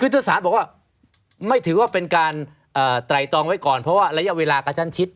คือถ้าศาลบอกว่าไม่ถือว่าเป็นการไตรตองไว้ก่อนเพราะว่าระยะเวลากระชั้นชิด